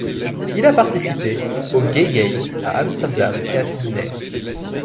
Il a participé aux Gay Games à Amsterdam et à Sydney.